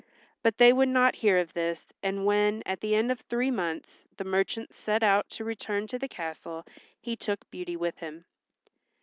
But they would not hear of this and when, at the end of three months, the merchant set out to return to the castle he took Beauty with him.